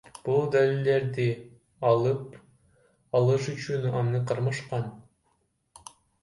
Бул далилдерди алып алыш үчүн аны кармашкан.